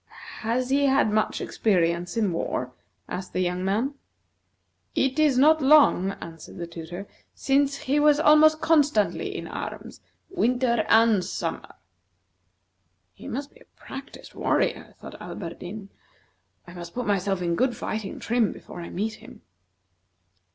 "Has he had much experience in war?" asked the young man. "It is not long," answered the tutor, "since he was almost constantly in arms, winter and summer." "He must be a practised warrior," thought Alberdin. "I must put myself in good fighting trim before I meet him."